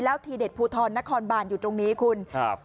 แล้วเทียนเด็ดพูทรนครบานอยู่ตรงนี้คุณ